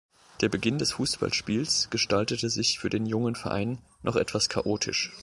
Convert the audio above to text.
Der Beginn des Fußballspiels gestaltete sich für den jungen Verein noch etwas chaotisch.